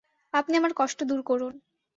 আপনি আমার কষ্ট দূর করুন।